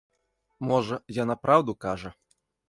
Можа, яна праўду кажа.